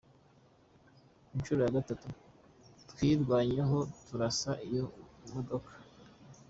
Ku nshuro ya gatatu twirwanyeho turasa iyo modoka.